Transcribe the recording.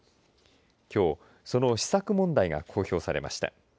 きょうその試作問題が公表されました。